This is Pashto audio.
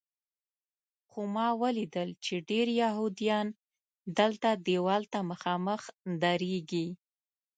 خو ما ولیدل چې ډېر یهودیان دلته دیوال ته مخامخ درېږي.